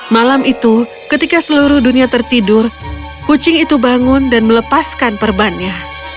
malam itu ketika seluruh dunia tertidur kucing itu bangun dan melepaskan perbannya